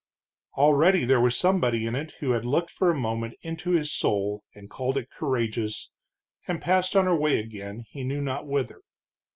Already there was somebody in it who had looked for a moment into his soul and called it courageous, and passed on her way again, he knew not whither.